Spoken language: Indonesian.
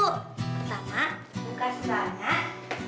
pertama buka serangan